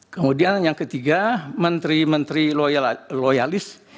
kemudian yang ketiga menteri menteri loyalis